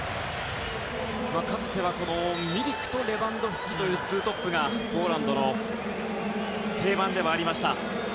かつてはミリクとレバンドフスキという２トップが、ポーランドの定番でもありました。